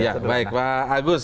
ya baik pak agus